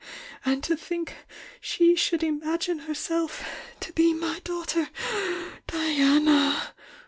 And to think she should imagine herself to be my daughter Diana!"